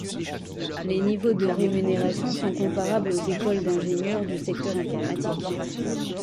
Les niveaux de rémunérations sont comparables aux écoles d'ingénieurs du secteur informatique.